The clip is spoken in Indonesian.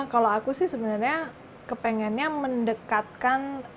kalau aku sih sebenarnya kepengennya mendekatkan